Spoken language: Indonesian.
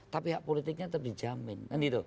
tapi hak politiknya terdijamin